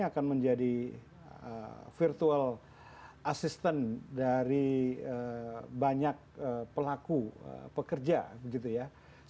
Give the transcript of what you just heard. akan menjadi virtual assistant dari banyak pelaku pekerja begitu ya sehingga dia bisa memberikan sebuah output yang akurat